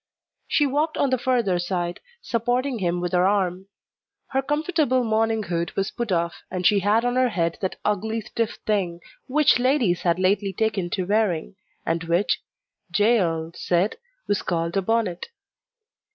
She walked on the further side, supporting him with her arm. Her comfortable morning hood was put off, and she had on her head that ugly, stiff thing which ladies had lately taken to wearing, and which, Jael said, was called a "bonnet."